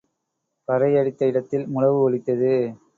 பறை அடித்த இடத்தில் முழவு ஒலித்தது.